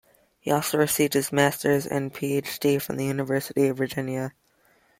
He also received his master's and Ph.D. from the University of Virginia.